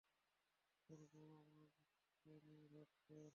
তোর বউ আমার বোনকে নিয়ে ভাগছে।